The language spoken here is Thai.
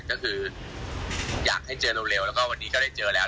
ก็คืออยากให้เจอเร็วแล้วก็วันนี้ก็ได้เจอแล้ว